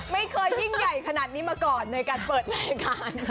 ไม่เคยยิ่งใหญ่ขนาดนี้มาก่อนในการเปิดรายการ